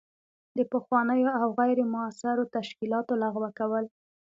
د پخوانیو او غیر مؤثرو تشکیلاتو لغوه کول.